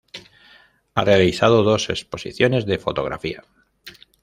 Ha realizado dos exposiciones de fotografía.